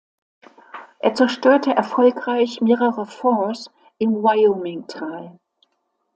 Er zerstörte erfolgreich mehrere Forts im Wyoming-Tal.